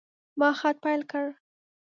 ما خط پیل کړ.